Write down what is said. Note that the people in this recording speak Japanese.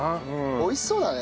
美味しそうだね。